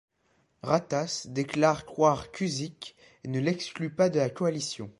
Ratas déclare croire Kuusik et ne l'exclut pas de la coalition.